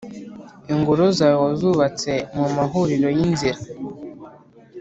Ingoro zawe wazubatse mu mahuriro y inzira